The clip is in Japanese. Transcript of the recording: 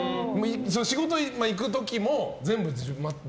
仕事行く時も、全部自分で。